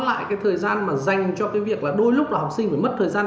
lại cái thời gian mà dành cho cái việc là đôi lúc là học sinh phải mất thời gian